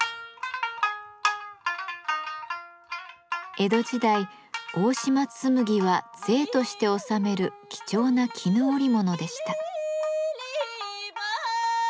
江戸時代大島紬は税として納める貴重な絹織物でした。